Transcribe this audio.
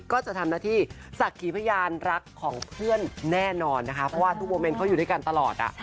ก็จะทำหน้าที่สักขีพยานรักของเพื่อนแน่นอนนะคะเพราะว่าทุกโมเมนต์เขาอยู่ด้วยกันตลอดอ่ะ